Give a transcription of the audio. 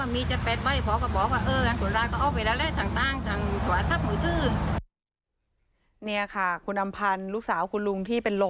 ไม่ได้เสียดายทุกอย่าง